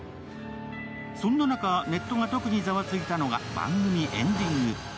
そんな中、ネットが特にざわついたのが番組エンディング。